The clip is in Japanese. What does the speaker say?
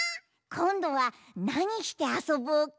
こんどはなにしてあそぼうか？